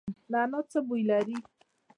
نعناع څه بوی لري؟